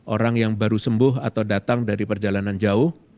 orang yang baru sembuh atau datang dari perjalanan jauh